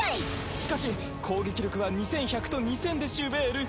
しかし攻撃力は２１００と２０００でしゅべーる。